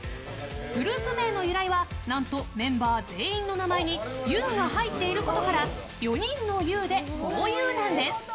グループ名の由来は何とメンバー全員の名前に「ゆう」が入っていることから４人の「ゆう」でふぉゆなんです！